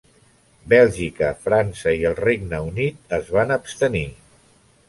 Bèlgica, França i el Regne Unit es van abstenir.